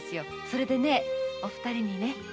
それでねお二人にね